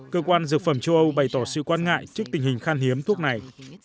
cơ quan dược phẩm châu âu bày tỏ sự quan ngại trước tình hình khan hiếm thuốc này